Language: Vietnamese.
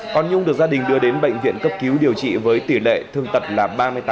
còn nhung được gia đình đưa đến bệnh viện cấp cứu điều trị với tỷ lệ thương tật là ba mươi tám